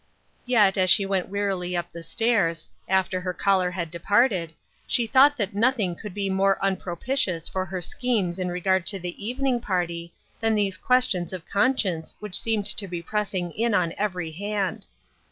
Yet as she went wearily up the stairs, after her caller had departed, she thought that nothing could be more unpropitious for her schemes in regard to the evening party than these questions of con science which seemed to be pressing in on every hand.